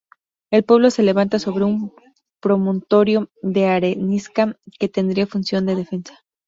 El pueblo se levanta sobre un promontorio de arenisca que tendría función de defensa.